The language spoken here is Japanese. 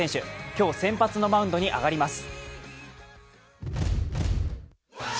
今日、先発のマウンドに上がります